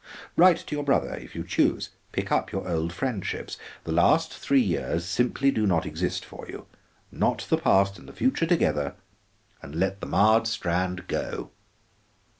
Write to your brother, if you choose; pick up your old friendships. The last three years simply do not exist for you; knot the past and the future together and let the marred strand go."